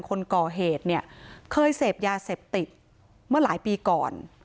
คนก่อเหตุเนี่ยเคยเสพยาเสพติดเมื่อหลายปีก่อน